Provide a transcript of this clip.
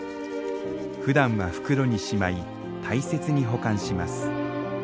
ふだんは袋にしまい大切に保管します。